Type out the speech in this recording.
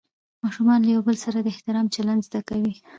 ماشومان له یو بل سره د احترام چلند زده کوي